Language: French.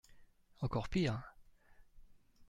Encore pire !